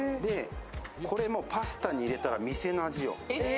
これもパスタに入れたらもう店の味よ。